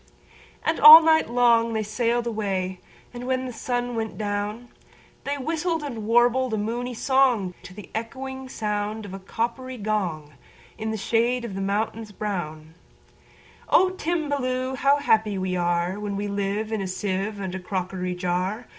And all night long they sail'd away; And, when the sun went down, They whistled and warbled a moony songTo the echoing sound of a coppery gong, In the shade of the mountains brown,"O Timballoo! how happy we areWhen we live in a sieve and a crockery jar!